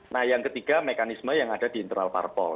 nah yang ketiga mekanisme yang ada di internal parpol